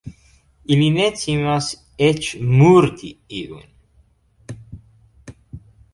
Ili ne timas eĉ murdi iun.